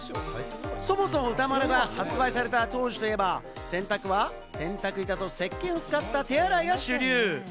そもそもウタマロが発売された当時といえば、洗濯は洗濯板と石けんを使った手洗いが主流。